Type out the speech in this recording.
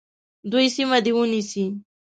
دوی سیمه دي ونیسي.